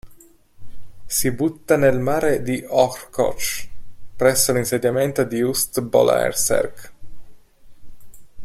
Si butta nel mare di Ochotsk presso l'insediamento di "Ust'-Bol'šereck".